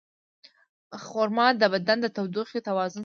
خرما د بدن د تودوخې توازن ساتي.